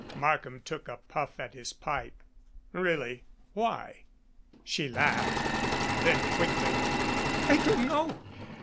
Markham took a puff at his pipe. "Really? Why?" She laughed. And then quickly. "I don't know.